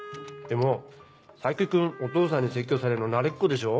でも冴木君お父さんに説教されるの慣れっこでしょ？